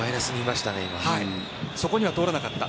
そこには通らなかった。